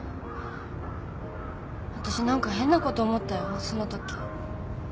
わたし何か変なこと思ったよそのとき。